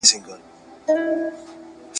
جهانګير ته په جاموکي ..